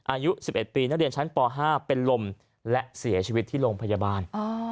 อายุ๑๑ปีนักเรียนชั้นป๕เป็นลมและเสียชีวิตที่โรงพยาบาล